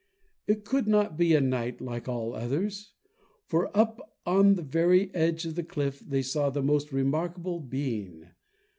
It could not be a night like all others, for up on the very edge of the cliff they saw the most remarkable being!